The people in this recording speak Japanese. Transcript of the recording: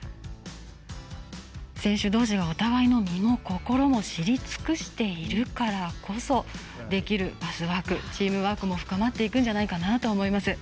選手どうしが、お互いの身も心も知り尽くしているからこそできるパスワークチームワークも深まっていくんじゃないかなと思います。